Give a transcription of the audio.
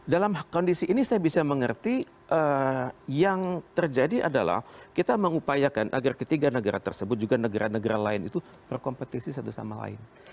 dalam kondisi ini saya bisa mengerti yang terjadi adalah kita mengupayakan agar ketiga negara tersebut juga negara negara lain itu berkompetisi satu sama lain